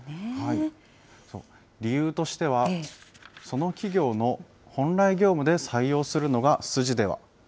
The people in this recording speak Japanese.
理由としては、その企業の本来業務で採用するのが筋では。